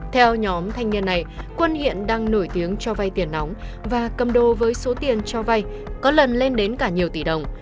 theo nhóm thanh niên này quân hiện đang nổi tiếng cho vay tiền nóng và cầm đô với số tiền cho vay có lần lên đến cả nhiều tỷ đồng